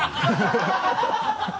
ハハハ